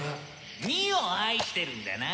・「２」を愛してるんだな。